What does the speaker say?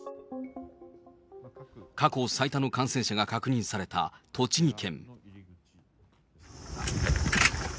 過去最多の感染者が確認された栃木県。